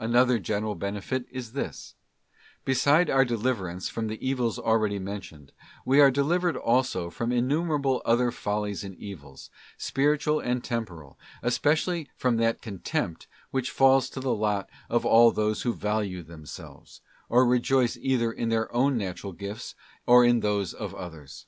Another general benefit is this: Beside our deliverance from the evils already mentioned, we are delivered also from innumerable other follies and evils, spiritual and temporal, especially from that contempt which falls to the lot of all those who value themselves, or rejoice either in their own natural gifts or in those of others.